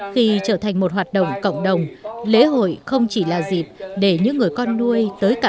khi trở thành một hoạt động cộng đồng lễ hội không chỉ là dịp để những người con nuôi tới cả